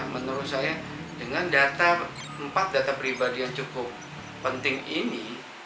menurut saya dengan empat data pribadi yang cukup penting ini